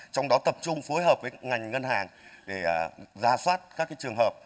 trong đó tập trung phối hợp với ngành ngân hàng để ra soát các trường hợp